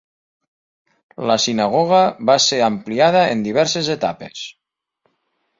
La sinagoga va ser ampliada en diverses etapes.